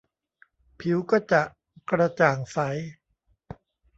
ผิวก็จะกระจ่างใส